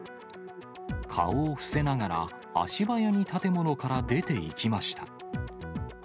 顔を伏せながら、足早に建物から出ていきました。